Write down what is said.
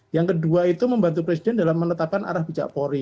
yang kedua itu membantu presiden dalam menetapkan arah bijak polri